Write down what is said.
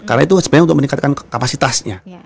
karena itu sebenarnya untuk meningkatkan kapasitasnya